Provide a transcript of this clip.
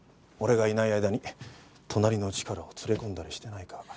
俺がいない間に隣のチカラを連れ込んだりしてないか。